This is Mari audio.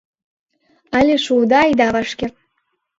Але шуыда, ида вашке.